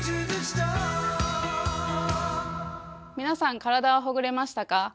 皆さん、体はほぐれましたか？